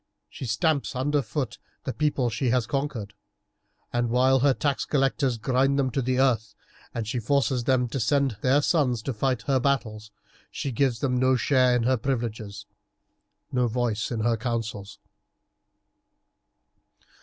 She stamps under foot the people she has conquered, and while her tax collectors grind them to the earth, and she forces them to send their sons to fight her battles, she gives them no share in her privileges, no voice in her councils.